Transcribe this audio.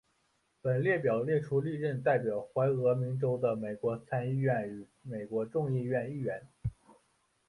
本列表列出历任代表怀俄明州的美国参议院与美国众议院议员。